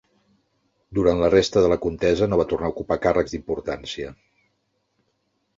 Durant la resta de la contesa no va tornar a ocupar càrrecs d'importància.